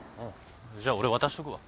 じゃ俺渡しとくわ。